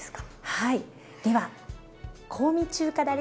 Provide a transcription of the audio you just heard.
はい。